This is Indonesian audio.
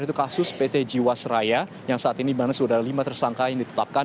yaitu kasus pt jiwas raya yang saat ini dimana sudah lima tersangka yang ditetapkan